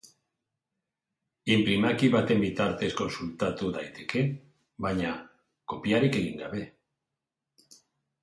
Inprimaki baten bitartez kontsultatu daiteke, baina kopiarik egin gabe.